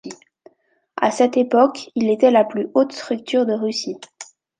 À cette époque, il était la plus haute structure de Russie.